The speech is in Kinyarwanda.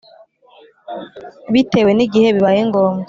Bitewe nigihe bibaye ngombwa